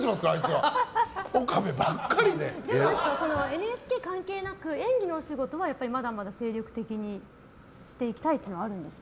ＮＨＫ関係なく演技のお仕事は、まだまだ精力的にしていきたいというのはあるんですか？